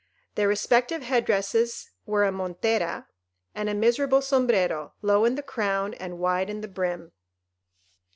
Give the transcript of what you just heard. Their respective head dresses were a montera and a miserable sombrero, low in the crown and wide in the brim.